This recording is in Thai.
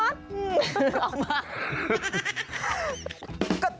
ลองมา